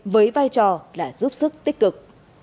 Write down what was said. với vai trò là giúp sức tích cực